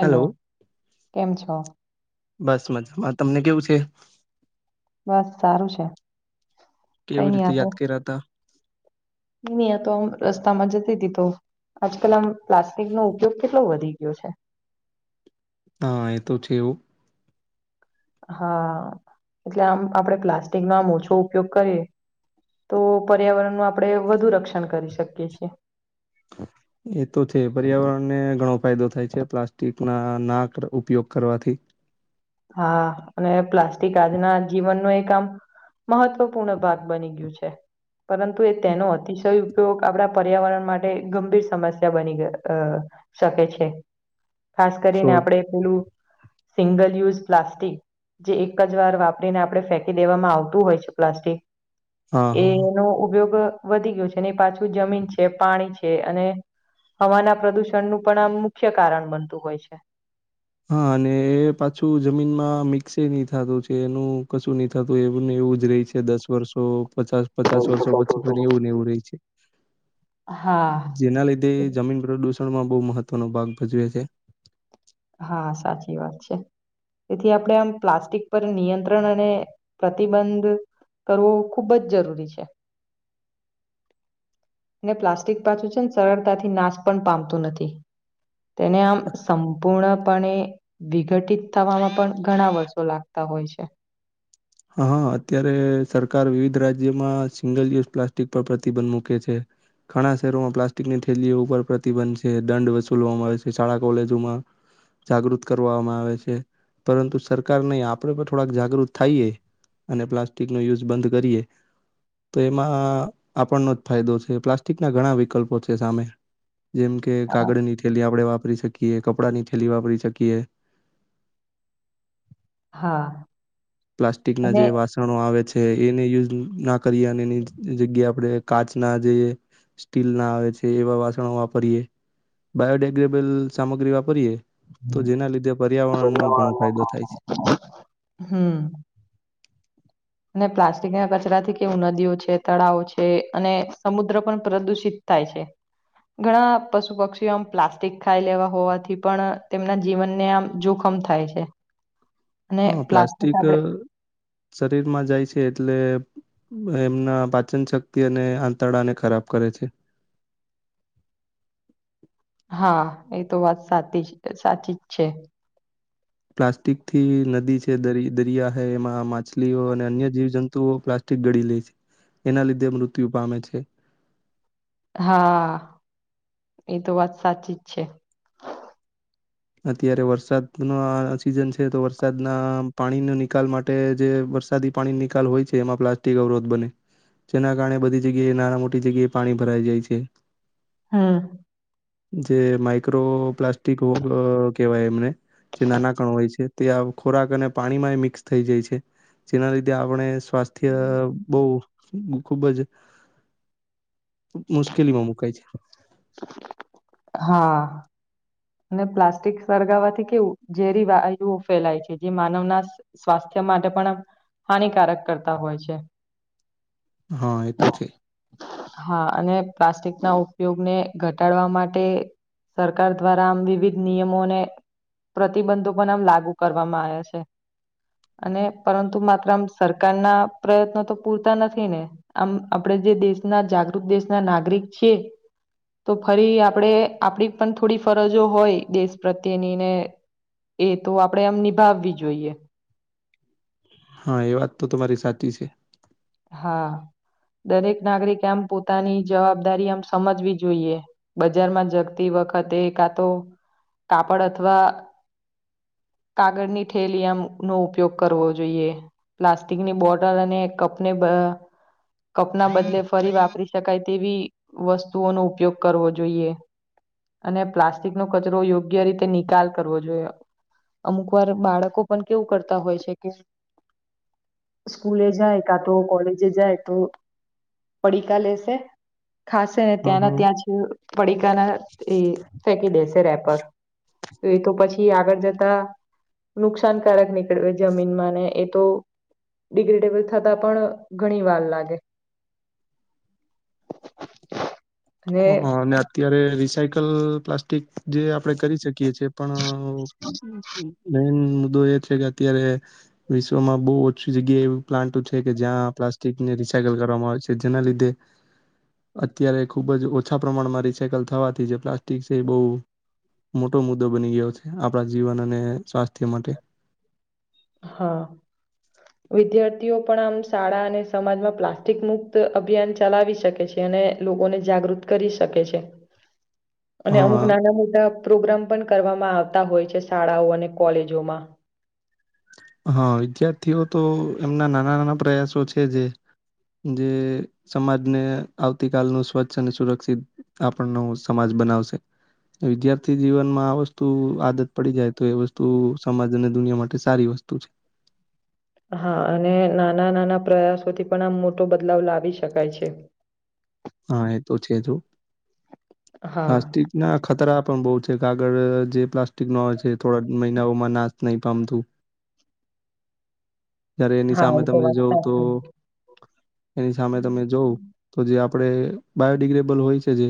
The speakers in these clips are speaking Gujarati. હેલો કેમ છો? બસ મજામાં તમને કેવું છે બસ સારું છે કેવી રીતે યાદ કર્યા તા નહી તો રસ્તામાં જતી તી તો આજ કલ આમ પ્લાસ્ટિકનો ઉપયોગ કેટલો વધી ગયો છે હા એ તો છે એવું હા એટલે આમ આપડે પ્લાસ્ટિકનો આમ ઓછો ઉપયોગ કરીએ તો પર્યાવરણનું આપણે વધુ રક્ષણ કરી શકીએ છીએ હ [unintelligible] એ તો છે પર્યાવરણ ને ઘણો ફાયદો થાય છે પ્લાસ્ટિક ના નાક ઉપયોગ કરવાથી હા અને પ્લાસ્ટિક આજના જીવન નો એક આમ મહત્વપૂર્ણ ભાગ બની ગયું છે પરંતુ એ તેનો અતિશય ઉપયોગ આપણા પર્યાવરણ માટે ગંભીર સમસ્યા બની ગ શકે છે ખાસ કરીને છોડ આપડે પેલું સિંગલ યુઝ પ્લાસ્ટિક જે એક જ વાર વાપરીને આપણે ફેંકી દેવામાં આવતું હોય છે પ્લાસ્ટિક હા એ હા એનો ઉપયોગ વધી ગયો છે પાછું જમીન છે પાણી છે અને હવાના પ્રદુષણનું પણ આમ મુખ્ય કારણ બનતું હોય છે હા અને એ પાછું જમીનમાં મિક્સ નહી થતું છે એનું કશું નહી થતું એ બ એવું જ રહી છે દસ વર્ષો પચાસ પચાસ વર્ષો પછી એવું નને એવું રે છે હા જેના લીધે જમીન પ્રદૂષણમાં બહુ મહત્વનો ભાગ ભજવે છે હા સાચી વાત છે તેથી આપણે આમ પ્લાસ્ટિક પર નિયંત્રણ અને પ્રતિબંધ કરવો ખૂબ જ જરૂરી છે પ્લાસ્ટિક પાછું છે ને સરળતાથી નાશ પણ પામતું નથી તેને આમ સમ પૂર્ણપણે વિઘટિત થવામાં પણ ઘણા વર્ષો લાગતા હોય છે હા હા અત્યારે સરકાર વિવિધ રાજ્યમાં સિંગલ યુઝ પ્લાસ્ટિક પર પ્રતિબંધ મૂકે છે ઘણા શહેરોમાં પ્લાસ્ટિકની ઠેલીઓ ઉપર પ્રતિબંધ છે દંડ વસૂલવામાં આવે છે શાળા કોલેજોમાં જાગૃત કરવામાં આવે છે પરંતુ સરકાર નહી આપડે પણ થોડાક જાગૃત થાઈએ અને પ્લાસ્ટિક નો યુઝ બંધ કરીએ તો એમાં આપણનો જ ફાયદો છે પ્લાસ્ટિકના ઘણા વિકલ્પો છે સામે જેમ કે કાગળ ની થેલી આપડે વાપ વાપરી શકીએ કપડાની થેલી વાપરી શકીએ હા પ્લાસ્ટિક ના અને જે વાસણો આવે છે એને યુઝ ના કરીએ અને એની જગ્યા આપણે કાચ ના જઈએ સ્ટીલ ના આવે છે એવા વાસણો વાપરીએ બાયોડેગ્રેબલ સામગ્રી વાપરીએ તો જેના લીધે પર્યાવરણનો ઘણો ફાયદો થાય છે હમ્મ. અને પ્લાસ્ટિક ના કચરાથી કેવું નદીઓ છે તળાવો છે અને સમુદ્ર પણ પ્રદુષિત થાય છે ઘણા પશુ પક્ષીઓ આમ પ્લાસ્ટિક ખાઈ લેવા હોવાથી પણ તેમના જીવનને આમ જોખમ થાય છે અને હા પ્લાસ્ટિક આપડે શરીર માં જાય છે એટલે એમના પાચન શક્તિ અને આંતરડાને ખરાબ કરે છે હા એ તો વાત સાતી જ સાચી જ છે. પ્લાસ્ટિકથી નદી છે દર દરિયા હ એમાં માછલીઓ અને અન્ય જીવ જંતુ તુ પ્લાસ્ટિક ગડી લે છે એના લીધે મૃત્યુ પામે છે. હા એ તો વાત સાચી જ છે. અત્યારે વરસાદનો સિઝન છે તો વરસાદના પાણીનો નિકાલ માટે જે વરસાદી પાણી નિકાલ હોય છે એમાં પ્લાસ્ટિક અવરોધ બને જેના કારણે બધી જગ્યાએ નાના મોટી જગ્યાએ પાણી ભરાઈ જાય છે. હમ્મ. જે માઈક્રો પ્લાસ્ટિકો અ કેવાય એમને જે નાના કણ હોય છે. તે ખોરાક અને પાણીમાં એ મિક્સ થઈ જાય છે. જેના લીધે આપણે સ્વાસ્થ્ય બહુ ખુબ જ મુશ્કેલીમાં મુકાય છે. હા. અને પ્લાસ્ટિક સળગાવવાથી કેવું, ઝેરી વાયુઓ ફેલાય છે. જે માનવના સ્વાસ્થ્ય માટે પણ હાનિકારક કરતા હોય છે. હા, એ તો છે. હા અને પ્લાસ્ટિકના ઉપયોગને ઘટાડવા માટે સરકાર દ્વારા આમ વિવિધ નિયમો અને પ્રતિબંધો પણ આમ લાગુ કરવામાં આવ્યા છે. અને પરંતુ માત્ર આમ સરકારના પ્રયત્નો તો પૂરતા નથી ને, આમ આપડે જે દેશના જાગૃત દેશના નાગરિક છીએ. તો ફરી આપણેે, આપડી પણ થોડી ફરજો હોય, દેશ પ્રત્યેની ને એ તો આપણેે એમ નિભાવવી જોઈએ. હા, એ વાત તો તમારી સાચી છે. હા. દરેક નાગરિકે આમ પોતાની જવાબદારી આમ સમજવી જોઈએ. બજારમાં જતી વખતે કા તો કાપડ અથવા કાગળની થેલી આમનો ઉપયોગ કરવો જોઈએ. પ્લાસ્ટિકની બોટલ અને કપ ને બ કપના બદલે ફરી વાપરી શકાય તેવી વસ્તુઓનો ઉપયોગ કરવો જોઈએ. અને પ્લાસ્ટિનો કચરો યોગ્ય રીતે નિકાલ કરવો જોઈએ. અમુક વાર બાળકો પણ કેવું કરતા હોય છે કે, સ્કૂલે જાય કા તો કોલેજે જાય તો પડીકા લેશે. ખાસેને હા ત્યાંના, હા ત્યાં જ પડીકાના એ ફેંકી દેશે રેપર. એ તો પછી આગળ જતા નુકસાનકારક નીકળવે જમીનમાં ને એ તો, ડિગ્રેડેબલ થતા પણ ઘણી વાર લાગે. હ, અને અત્યારે રિસાયકલ પ્લાસ્ટિક જે આપણે કરી શક કયે છે પણ [unintelligible] મુદ્દો એ છે કે અત્યારે વિશ્વમાં બહુ ઓછી જગ્યાએ એવ પ્લાન્ટ છે કે જ્યાં પ્લાસ્ટિકની રીસાકલ કરવામાં આવે છે. જેના લીધે અત્યારે ખુબ જ ઓછા પ્રમાણમાં રીસાયકલ થવાથી જે પ્લાસ્ટિક છે એ બહુ મોટો મુદ્દો બની ગયો છે. આપણા જીવન અને સ્વાસ્થ્ય માટે તેઓ પણ આમ શાળા અને સમાજમાં પ્લાસ્ટિક મુક્ત અભિયાન ચલાવી શકે છે. અને લોકોને જાગ ગૃત કરી શકે છે. અને અમુક હા નાના મોટા પ્રોગ્રામ પણ કરવામાં આવતા હોય છે શાળાઓ અને કોલેજોમાં. હા, વિદ્યાર્થીઓ તો એમના નાના નાના પ્રયાસો છે જે જે સમાજને આવતી કાલનું સ્વચ્છ અને સુરક્ષિત આપણનું સમાજ બનાવશે. વિદ્યાર્થી જીવનમાં આ વસ્તુ આદત પડી જાય તો, એ વસ્તુ સમાજ અને દુનિયા માટે સારી વસ્તુ. ત [unintelligible] હા, અને નાના નાના પ્રયાસોથી પણ આમ મોટો બદલાવ લાવી શકાય છે. [inaudible] હા, એ તો છે તો હા નાસ્તિકના ખતરા પણ બહુ છે. આાગળ જે પ્લાસ્ટિકનો હોય છે થોડા મહિનાઓમાં નાશ નહી પામતું. [inaudible] જયારે એની હા સામે એ તો તમે વાત જોવં તો સાચી. એની સામે તમે જોવ તો જે આપ આપણે બાયોડિગ્રેબલ હોય છે જે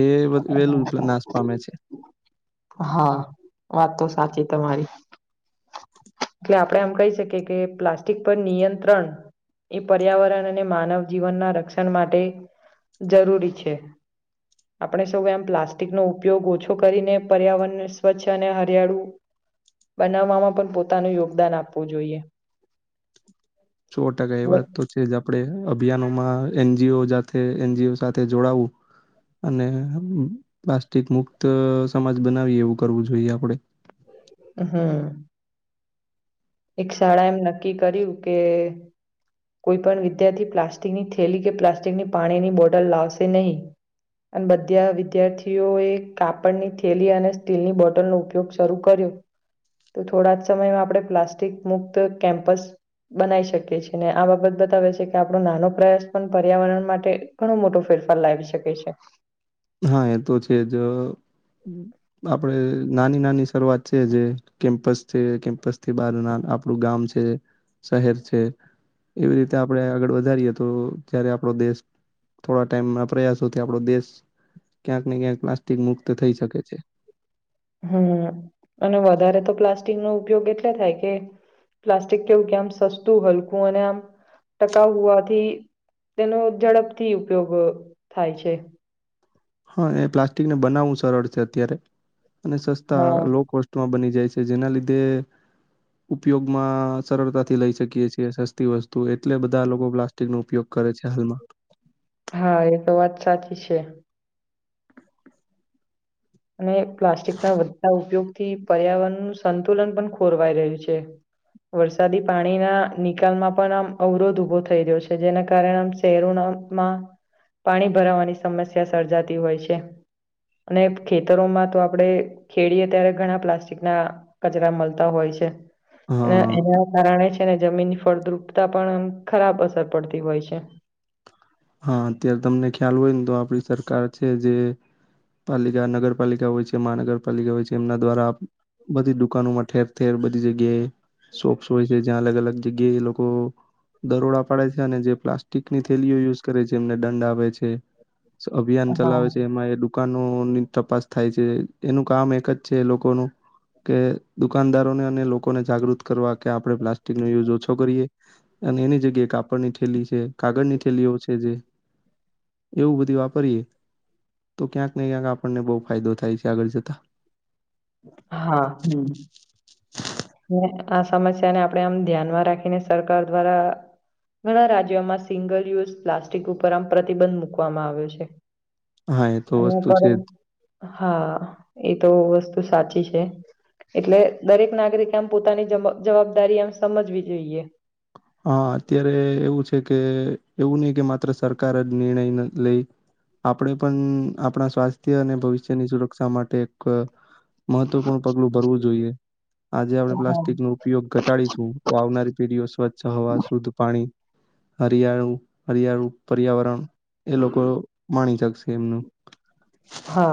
એ વેલું નાશ પામે છે હા વાત તો સાચી તમારી એટલે આપણે એમ કહી શકીએ કે પ્લાસ્ટિક પર નિયંત્રણ એ પર્યાવરણ અને માનવ જીવનના રક્ષણ માટે જરૂરી છે આપણે સૌ એમ પ્લાસ્ટિકનો ઉપયોગ ઓછો કરીને પર્યાવરણને સ્વચ્છ અને હરિયાળુ બનાવવામાં પણ પોતાનું યોગદાન આપવું જોઈએ સો ટકા એ વાત તો છે જ આપ આપણે અભિયાનોમાં એનજીઓ જા એનજીઓ સાથે જોડાવું અને પ્લાસ્ટિક મુક્ત સમાજ બનાવીએ એવું કરવું જોઈએ આપડે હા એક શાળા એમ નક્કી કર્યું કે કોઈ પણણ વિદ્યાર્થી પ્લાસ્ટિકની થેલી કે પ્લાસ્ટિકની પાણીની બોટલ લાવશે નહીં અને બધા વિદ્યાર્થીઓએ કાપડની થેલી અને સ્ટીલની બોટલનો ઉપયોગ શરૂ કર્યો તો થોડા જ સમયમાં આપણે પ્લાસ્ટિક મુક્ત કેમ્પસ બનાવી શકીએ છેએ ને આ બાબત બતાવે છે કે આપણો નાનો પ્રયાસ પણ પર્યાવરણ માટે ઘણો મોટો ફે ફેરફારાવી શકે છે હા એ તો છે જ આપણે નાની નાની શરૂઆત છે જે કેમ્પસ છે કેમ્પસ થી બાર ના આપડું ગામ છે શહેર છે એવી રીતે આપણે આગળ વધારીએ તો જયારે આપણો દેશ થોડા ટાઈમ ના પ્રયાસોથી આપણો દેશ ક્યાંક ને ક્યાંક પ્લાસ્ટિક મુક્ત થઈ શકે છે હમ અને વધારે તો પ્લાસ્ટિક નો ઉપયોગ એટલે થાય કે પ્લાસ્ટિક કેવું કે આમ સસ્તું હલકું અને આમ ટકાઉ હોવાથી તેનો ઝડપથી ઉપયોગ થાય છે હા એ પ્લાસ્ટિકને બનાવવું સરળ છે અત્યારે અને સસ્તા હા લો કોસ્ટમાં બની જાય છે જેના લીધે ઉપયોગમાં સરળતાથી લઈ શકીએ છીએ સસ્તી વસ્તુ એટલે બધા લોકો પ્લાસ્ટિક નો ઉપયોગ કરે છે હાલમાં હા એ તો વાત સાચી છે અને પ્લાસ્ટિક ના વઘતા ઉપયોગ થી પર્યાવરણનું સંતુલન પણ ખોરવાઈ રહ્યું છે વરસાદી પાણીના નિકાલમાં પણ આમ અવરોધ ઉભો થઈ રહ્યો છે જેના કારણે આમ શહેરોના પાણી ભરાવાની સમસ્યા સર્જાતી હોય છે અને ખેતરોમાં તો આપડણે ખેડીએ ત્યારે ઘણા પ્લાસ્ટિક ના કચરા મળતા હોય છે એ હા એના કારણે છે ને જમીન ફળદ્રુપતા પણ એમ ખરાબ અસર પડતી હોય છે હા અત્યારે તમને ખ્યાલ હોય ને તો આપડી સરકાર છે જે પાલિકા નગરપાલિકા હોય છે મહાનગરપાલિકા હોય છે એમના દ્વારા બધી દુકાનોમાં ઠેર ઠેર બધી જગ્યાએ શોપ્સ હોય છે જ્યાં અલગ અલગ જગ્યાએ એ લોકો દરોડા પાડે છે અને જે પ્લાસ્ટિક ની થેલીઓ યુઝ કરે છે એમને દંડ આવે છે અભિયાન હા ચલાવે છે એમાં એ દુકાન તપાસ થાય છે એનું કામ એક જ છે લોકોનું કે દુકાનદારોને અને લોકોને જાગૃત કરવા કે આપણે પ્લાસ્ટિક નો યુઝ ઓછો કરીએ અને એની જગ્યાએ કાપડની થેલી છે, કાગળ ની થેલીઓ છે, જે એવુ બધી, વાપરીએ તો ક્યાંક ને ક્યાંક આપણને બહુ ફાયદો થાય છે, આગળ જતા હા હમ્મ આ સમસ્યાને આપણે, આમ ધ્યાનમાં રાખીને સરકાર દ્વારા ઘણા રાજ્યોમા સિંગલ યુઝ પ્લાસ્ટિક ઉપર, આમ પ્રતિબંધ મુૂકવામાં આવ્યો છે. હા એ તો વસ્તુ છે અને જ. હા, એ તો વસ્તુ સાચી છે, એટલે દરેક નાગરિક મ પોતાની જવાબદારી, એમ સમજવી જોઈએ. હા, અત્યારે એવું છે, કે એવું નહી કે માત્ર સરકાર જ નિર્ણય લઈ આપણે પણ આપણા સ્વાસ્થ્ય અને ભવિષ્યની, સુરક્ષા માટે એક મહત્વપૂર્ણ પગલુ, ભરવુ જોઈએ. આજે આપણે હા પ્લાસ્ટિકનો ઉપયોગ ઘટાડીશુ, તો આવનારી પીઢીઓ સ્વચ્છ હવા શુદ્ધ, પાણી હરિયાળુ, હરિયાળુ પર્યાવરણ એ લોકો માણી, શકશે એમનું હા,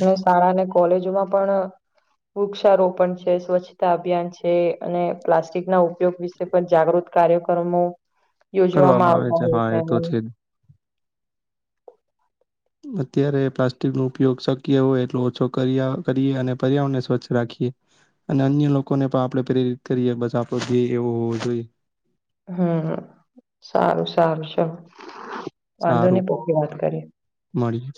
અને શાળા, અને કોલેજોમા પણ વૃક્ષારોપણ છે. સ્વચ્છતા અભિયાન છે, અને પ્લાસ્ટિક ના ઉપયોગ વિશે પણ જાગૃત કાર્યક્રમો યોજવામા, કરવામાં આવે આવતા હોય હા છે. એ તો જ. અત્યારે પ્લાસ્ટિકનો ઉપયોગ શક્ય હોય. એટલો ઓછો, કરીએ અને પર્યાવરણને સ્વચ્છ, રાખીએ. અને અન્ય લોકોને પણ આપડે પ્રેરિત કરીએ બસ આપડો ધ્યે એવો હોવો, જોઈએ. હમ સારુ, સારુ છે. વાંધો, ને સારું પોખ વાત કરી મળીએ